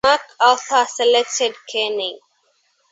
MacArthur selected Kenney.